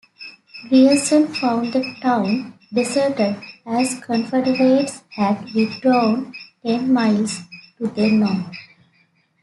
Grierson found the town deserted, as Confederates had withdrawn ten miles to the north.